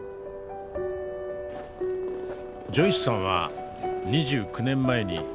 ジョイスさんは２９年前にフェア